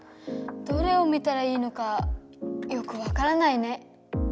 どれを見たらいいのかよくわからないね。